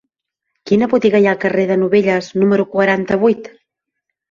Quina botiga hi ha al carrer de Novelles número quaranta-vuit?